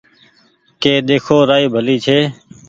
ڪي ۮيکو رآئي ڀلي ڇي